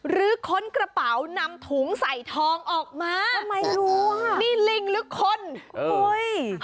หรือคนกระเป๋านำถุงใส่ทองออกมานี่ลิงหรือคนทำไมรู้ว่ะ